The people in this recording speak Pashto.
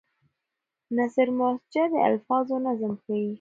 نثر مسجع د الفاظو نظم ښيي.